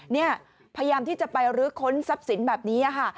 เนี่ยพยายามที่จะไปรื้อค้นทรัพย์สินแบบนี้ค่ะ